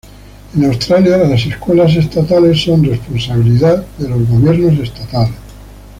En Australia las escuelas estatales son responsabilidad de los gobiernos estatales.